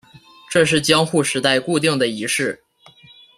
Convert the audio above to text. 这是江户时代固定的仪式。